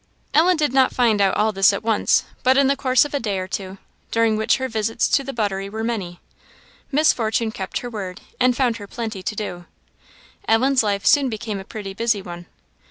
Ellen did not find out all this at once, but in the course of a day or two, during which her visits to the buttery were many. Miss Fortune kept her word, and found her plenty to do; Ellen's life soon became a pretty busy one.